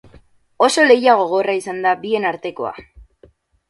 Oso lehia gogorra izan da bien artekoa.